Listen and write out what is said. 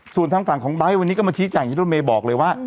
ส่วนทางฝั่งของไบท์วันนี้ก็มาชี้แจ้งอย่างที่รถเมย์บอกเลยว่า